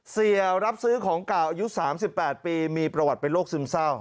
เสียรับซื้อของเก่าอายุ๓๘ปีมีประวัติเป็นโรคซึมเศร้า